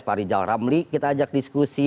pak rijal ramli kita ajak diskusi